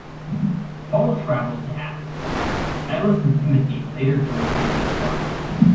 Paul travelled to Athens, and Silas and Timothy later joined him in Corinth.